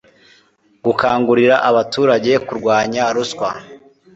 gukangurira abaturage kurwanya ruswa